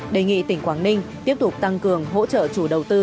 đề nghị tỉnh quảng ninh tiếp tục tăng cường hỗ trợ chủ đầu tư